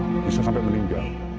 bisa sampai meninggal